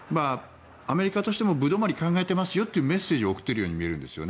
アメリカとしても歩留まりに考えていますよと送っているように見えるんです。